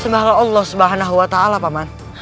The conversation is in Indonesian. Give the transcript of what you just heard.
sembara allah subhanahu wa ta'ala pamat